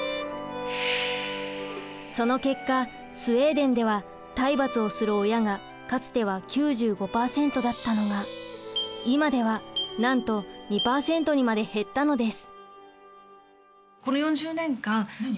その結果スウェーデンでは体罰をする親がかつては９５％だったのが今ではなんと２％にまで減ったのです。